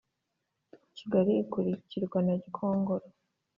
kigali ikurikirwa na gikongoro